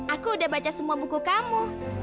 aku udah baca semua buku kamu